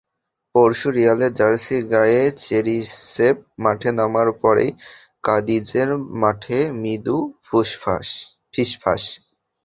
পরশু রিয়ালের জার্সি গায়ে চেরিশেভ মাঠে নামার পরেই কাদিজের মাঠে মৃদু ফিসফাস।